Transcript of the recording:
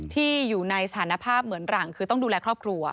ที่อยู่ในสถานภาพเหมือนหลังคือต้องดูแลครอบครัว